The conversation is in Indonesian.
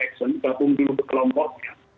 kalau belum kelompoknya